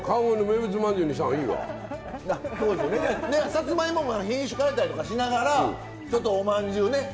さつまいもも品種変えたりとかしながらちょっとおまんじゅうね